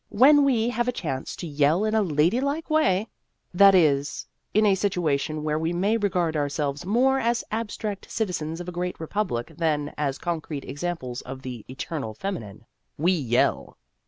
When we have a chance to yell in a ladylike way that is, in a situation where we may regard our selves more as abstract citizens of a great Republic than as concrete examples of the "eternal feminine " we yell.